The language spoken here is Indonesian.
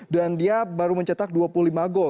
dan dia baru mencetak dua puluh lima gol